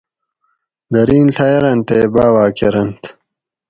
درین ڷیارنت تے باواۤ کرنت